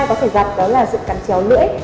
có thể gặp đó là sự cắn chéo lưỡi